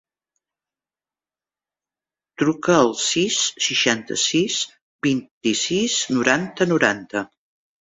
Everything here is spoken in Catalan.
Truca al sis, seixanta-sis, vint-i-sis, noranta, noranta.